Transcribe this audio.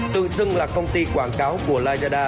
tự dưng là công ty quảng cáo của lai gia đa